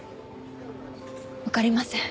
わかりません。